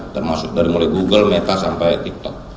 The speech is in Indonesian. termasuk dari mulai google meta sampai tiktok